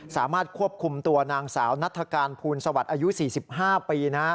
สามารถควบคุมตัวนางสาวนัฐกาลภูลสวัสดิ์อายุ๔๕ปี